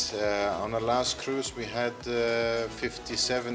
semua orang memiliki kebutuhan yang berbeda